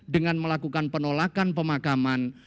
dengan melakukan penolakan pemakaman